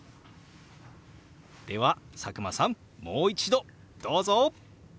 では佐久間さんもう一度どうぞ！